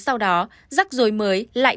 sau đó rắc rối mới lại